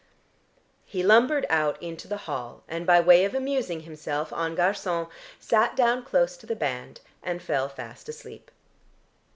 He lumbered out into the hall, and by way of amusing himself en garçon sat down close to the band, and fell fast asleep.